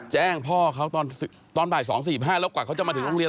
แจ้งพ่อเขาตอนบ่าย๒๔๕แล้วกว่าเขาจะมาถึงโรงเรียน